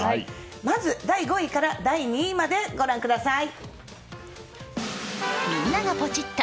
まず第５位から第２位までご覧ください。